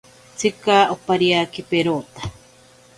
Tsika opariake perota.